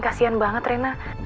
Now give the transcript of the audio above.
kasihan banget renang